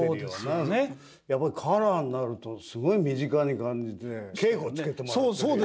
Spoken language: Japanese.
やっぱりカラーになるとすごい身近に感じて稽古つけてもらってるようなね。